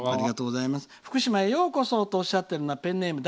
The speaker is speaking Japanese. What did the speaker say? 福島へようこそとおっしゃってるのはペンネームだ